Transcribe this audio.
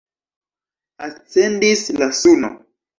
Ascendis la suno.